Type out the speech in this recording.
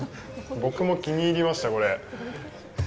僕も気に入りました、これ。